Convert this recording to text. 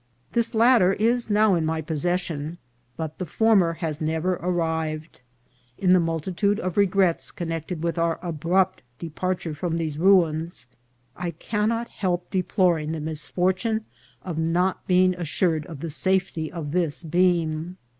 The latter is now in my possession, but the for mer has never arrived. In the multitude of regrets connected with our abrupt departure from these ruins, I cannot help deploring the misfortune of not being as sured of the safety of this beam.